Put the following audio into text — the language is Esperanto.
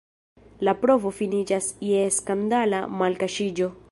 La provo finiĝas je skandala malkaŝiĝo.